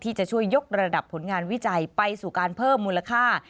ที่จะช่วยยกระดับผลงานวิจัยไปสู่การเพิ่มมูลค่า